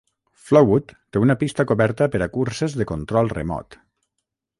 Flowood té una pista coberta per a curses de control remot.